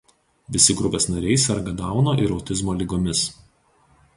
Visi grupės nariai serga Dauno ir autizmo ligomis.